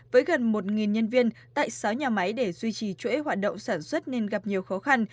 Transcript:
với gần một nhân viên tại sáu nhà máy để duy trì chuỗi hoạt động sản xuất nên gặp nhiều khó khăn